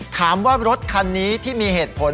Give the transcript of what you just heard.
ถามว่ารถคันนี้ที่มีเหตุผล